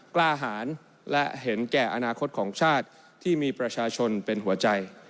กล้าหารและเห็นแก่อนาคตของชาติที่มีประชาชนเป็นหัวใจ